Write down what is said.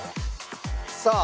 さあ。